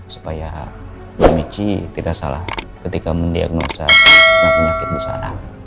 supaya michi tidak salah ketika mendiagnosa penyakit bu sarah